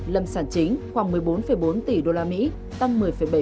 lâm sản chính khoảng một mươi bốn bốn tỷ usd tăng một mươi bảy